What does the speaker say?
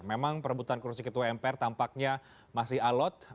memang perebutan kursi ketua mpr tampaknya masih alot